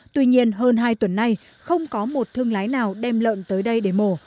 tuy nhiên hơn hai tuần nay không có một thương lái nào đem lợn tới đây để mổ